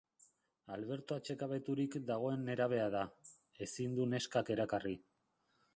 Alberto atsekabeturik dagoen nerabea da: ezin du neskak erakarri.